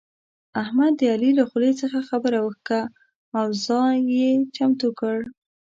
احمد د علي له خولې څخه خبره وکښه او ځای يې چمتو کړ.